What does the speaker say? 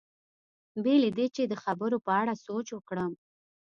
بې له دې چې د خبرو په اړه سوچ وکړم.